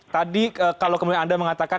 tadi kalau kemudian anda mengatakan